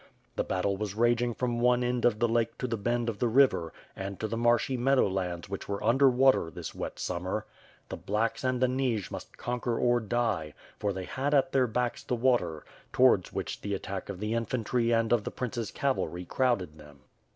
The battle was raging from one end of the lake to the bend of the river and to the marshy meadowlands which were under water this wet summer. The "blacks'* and the Nijs must conquer or die; for they had at their backs the water, towards which the attack of the infantry and of the prince's cavalry crowded them.